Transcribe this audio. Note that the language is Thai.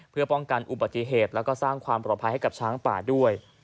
เพื่อป้องกันอุบัติเหตุแล้วก็สร้างความปลอดภัยให้กับช้างป่าด้วย